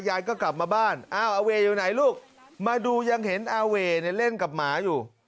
ยายก็กลับมาบ้านอ้าวอาเวอยู่ไหนลูกมาดูยังเห็นอาเวเล่นกับหมาอยู่